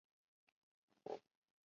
帕尔库。